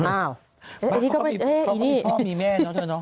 อ้าวไอ้นี่ก็ไม่ไอ้นี่เขาก็มีพ่อมีแม่ใช่ไหม